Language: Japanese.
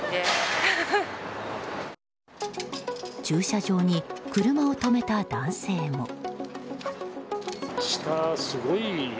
駐車場に車を止めた男性も。